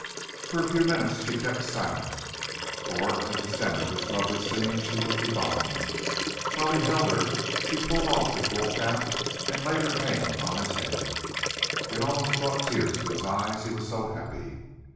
For a few minutes she kept silent, for as the center of this lovely scene she was divine. While he held her she pulled off his wool cap and laid her hand on his hair. It almost brought tears to his eyes, he was so happy.